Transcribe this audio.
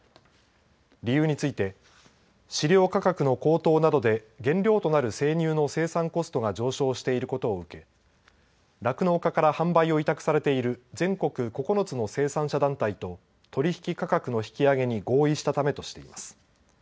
理由について飼料価格の高騰などで原料となる生乳の生産コストが上昇していることを受け酪農家から販売を委託されている全国９つの生産者団体と取引価格の引き上げに合意したためとしています。